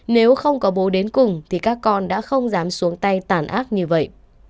nếu không có bố đến cùng thì các con đã không dám xuống tay tàn ác như vậy